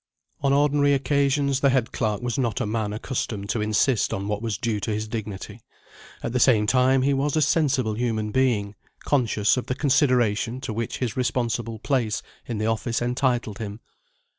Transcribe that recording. On ordinary occasions, the head clerk was not a man accustomed to insist on what was due to his dignity. At the same time he was a sensible human being, conscious of the consideration to which his responsible place in the office entitled him.